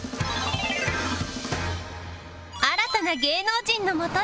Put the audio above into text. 新たな芸能人のもとへ